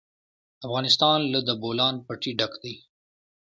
افغانستان له د بولان پټي ډک دی.